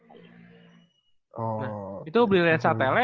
nah itu beli lensa tele